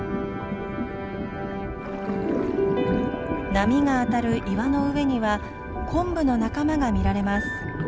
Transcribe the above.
波が当たる岩の上にはコンブの仲間が見られます。